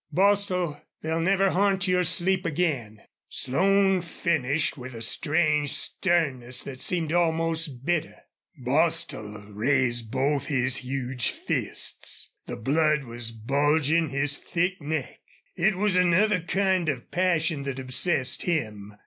Bostil, they'll never haunt your sleep again!" Slone finished with a strange sternness that seemed almost bitter. Bostil raised both his huge fists. The blood was bulging his thick neck. It was another kind of passion that obsessed him.